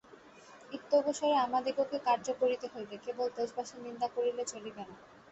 ইত্যবসরে আমাদিগকে কার্য করিতে হইবে, কেবল দেশবাসীর নিন্দা করিলে চলিবে না।